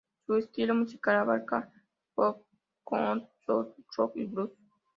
Su estilo musical abarca pop, country, soul, rock y blues.